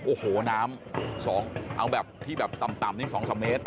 โอ้โหน้ำเอาแบบที่แบบต่ำนี่๒๓เมตร